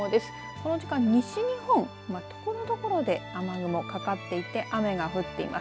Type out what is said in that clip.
この時間、西日本ところどころで雨雲かかっていて雨が降っています。